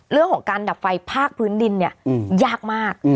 เรื่องของการดับไฟภาคพื้นดินเนี่ยยากมาก